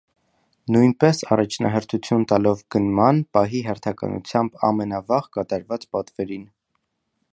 Նույնպես առաջնահերթություն տալով գնման պահի հերթականությամբ ամենավաղ կատարված պատվերին։